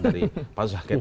dari pak soekarno pak soekarno